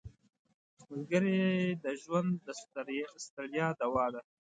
ملګری د ژوند د ستړیا دوا ده